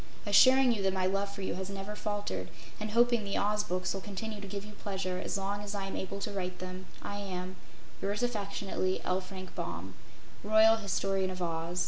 Assuring you that my love for you has never faltered and hoping the Oz Books will continue to give you pleasure as long as I am able to write them, I am Yours affectionately, L. FRANK BAUM, "Royal Historian of Oz."